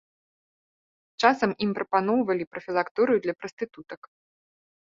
Часам ім прапаноўвалі прафілакторыю для прастытутак.